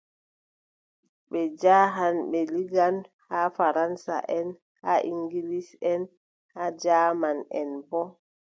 Ɓe njaahan ɓe liggan, haa faransaʼen haa iŋgilisʼen haa jaamanʼen boo .